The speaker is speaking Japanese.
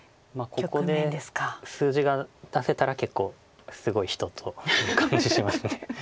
ここで数字が出せたら結構すごい人という感じします。